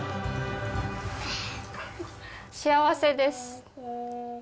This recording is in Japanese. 幸せです。